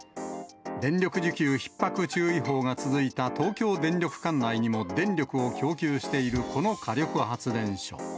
電力需給ひっ迫注意報が続いた東京電力管内にも電力を供給しているこの火力発電所。